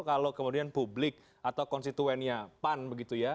kalau kemudian publik atau konstituennya pan begitu ya